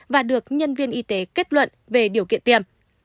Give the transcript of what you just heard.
và được nhân viên y tế kết luận về điều kiện tiêm